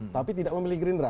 tapi tidak memilih gerindra